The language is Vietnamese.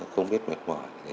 không biết mệt mỏi